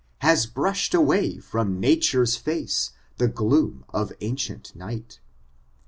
Has bmsh'd away from natare's fooo tho gloom of ancient night.